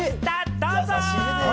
どうぞ！